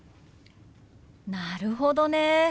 なるほどね。